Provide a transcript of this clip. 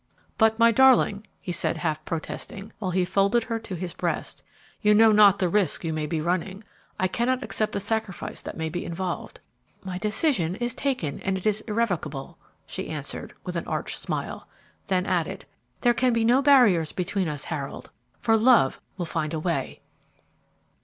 "But, my darling," he said, half protesting, while he folded her to his breast, "you know not the risk you may be running; I cannot accept the sacrifice that may be involved." "My decision is taken, and it is irrevocable," she answered, with an arch smile; then added, "There can be no barriers between us, Harold, for Love will find a way!"